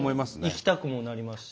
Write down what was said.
行きたくもなりますし。